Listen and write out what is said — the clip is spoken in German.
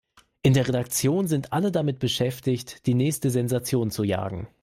In der Redaktion sind alle damit beschäftigt, die nächste Sensation zu jagen.